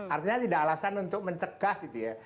artinya tidak alasan untuk mencegah gitu ya